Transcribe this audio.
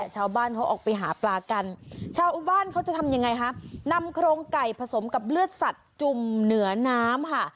ชาวบ้านเขาจะทำยังไงฮะนำโครงไก่ผสมกับเลือดสัตว์จุ่มเหนือน้ำค่ะ